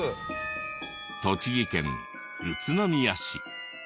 栃木県宇都宮市。